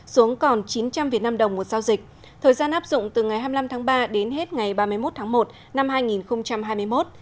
xuống còn chín trăm linh vnđ một giao dịch thời gian áp dụng từ ngày hai mươi năm tháng ba đến hết ngày ba mươi một tháng một năm hai nghìn hai mươi một